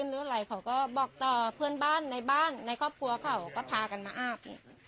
หรืออะไรเขาก็บอกต่อเพื่อนบ้านในบ้านในครอบครัวเขาก็พากันมาอาบเนี่ย